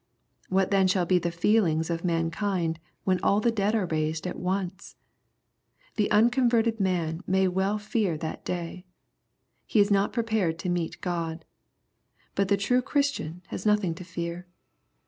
What then shall be the feelings of mankind when all the dead are raised at once ? The unconverted man mav well fear that dav. fle is not prepared to meet God. But the true Christian has nothing to fear.